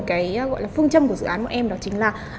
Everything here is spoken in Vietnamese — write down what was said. cái gọi là phương châm của dự án của em đó chính là